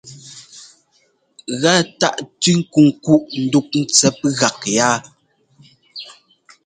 Gá tâʼ tʉ́ nkunkuʼ ndúʼ ntɛp gak yá.